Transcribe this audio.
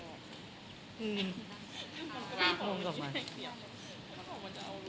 อืม